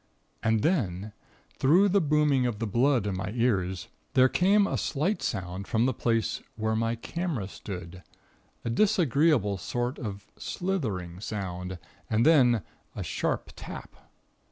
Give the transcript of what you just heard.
And then, through the booming of the blood in my ears, there came a slight sound from the place where my camera stood a disagreeable sort of slithering sound, and then a sharp tap.